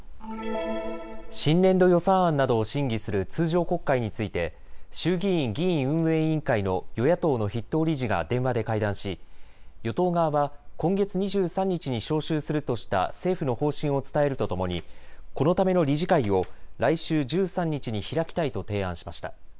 新年度予算案などを審議する通常国会について衆議院議院運営委員会の与野党の筆頭理事が電話で会談し与党側は今月２３日に召集するとした政府の方針を伝えるとともに、このための理事会を来週１３日に開きたいと提案しました。